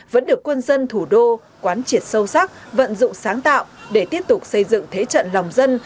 vẫn được quân dân thủ đô quán triệt sâu sắc vận dụng sáng tạo để tiếp tục xây dựng thế trận lòng dân